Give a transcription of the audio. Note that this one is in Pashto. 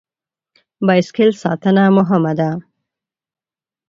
بایسکل ساتنه مهمه ده.